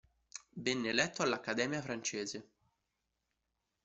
Venne eletto all'Accademia francese.